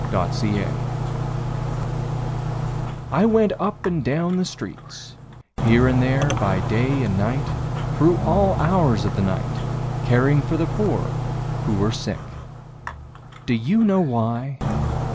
Doc Hill I went up and down the streets Here and there by day and night, Through all hours of the night caring for the poor who were sick. Do you know why?